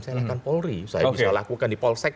saya lakukan polri saya bisa lakukan di polsek